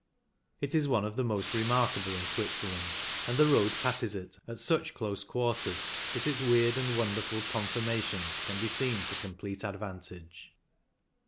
It is one of the most remarkable in Switzerland, and the road passes it at such close quarters that its weird and wonderful conformations can be seen to complete advantage.